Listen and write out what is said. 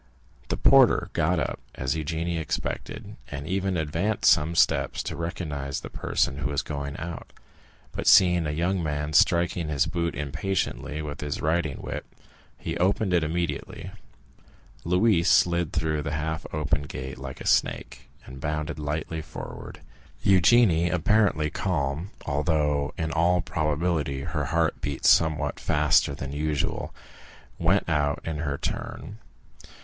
The porter got up as Eugénie expected, and even advanced some steps to recognize the person who was going out, but seeing a young man striking his boot impatiently with his riding whip, he opened it immediately. Louise slid through the half open gate like a snake, and bounded lightly forward. Eugénie, apparently calm, although in all probability her heart beat somewhat faster than usual, went out in her turn.